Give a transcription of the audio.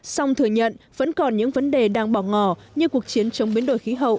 song thừa nhận vẫn còn những vấn đề đang bỏ ngò như cuộc chiến chống biến đổi khí hậu